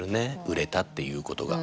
売れたっていうことが。